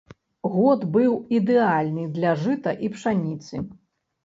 Год быў ідэальны для жыта і пшаніцы.